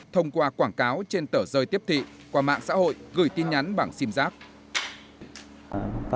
thông qua quảng cáo trên tờ rơi tiếp thị qua mạng xã hội gửi tin nhắn bằng sim giác